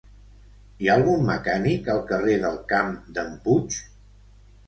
Hi ha algun mecànic al carrer del camp d'en Puig?